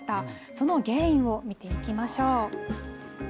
その原因を見ていきましょう。